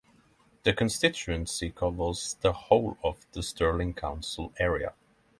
The constituency covers the whole of the Stirling council area.